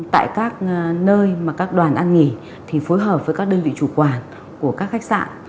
tại các nơi mà các đoàn ăn nghỉ thì phối hợp với các đơn vị chủ quản của các khách sạn